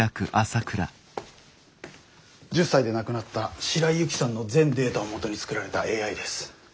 １０才で亡くなった白井雪さんの全データをもとに作られたＡＩです。